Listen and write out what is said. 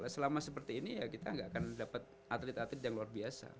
selama seperti ini ya kita nggak akan dapat atlet atlet yang luar biasa